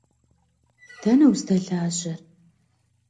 Dene vuzdelajer?